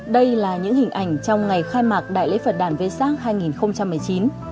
đây là những hình ảnh trong ngày khai mạc đại lễ phật đàn vê sắc hai nghìn một mươi chín